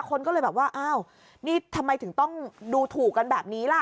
คนก็เลยแบบว่าอ้าวนี่ทำไมถึงต้องดูถูกกันแบบนี้ล่ะ